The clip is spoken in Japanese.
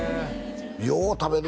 「よう食べる」